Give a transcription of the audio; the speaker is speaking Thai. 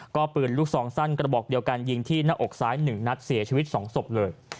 ก็ปืนลูกซองสั้นกระบอกเดียวกันยิงที่หน้าอกซ้าย๑นัดเสียชีวิต๒ศพเลย